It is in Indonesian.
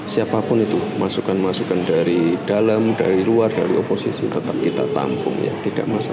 siapapun itu masukan masukan dari dalam dari luar dari oposisi tetap kita tampung ya tidak masalah